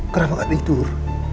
kenapa gak tidur